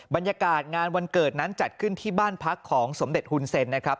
บรรยากาศงานวันเกิดนั้นจัดขึ้นที่บ้านพักของสมเด็จฮุนเซ็นนะครับ